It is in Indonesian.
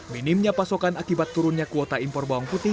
minimnya pasokan akibat turunnya kuota impor bawang putih